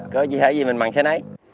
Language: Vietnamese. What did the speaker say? có gì thấy gì mình mặn xe nấy